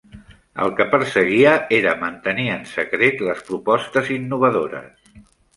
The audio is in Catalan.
El que perseguia era mantenir en secret les propostes innovadores.